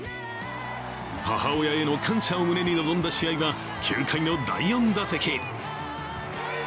母親への感謝を胸に臨んだ試合は９回の第４打席。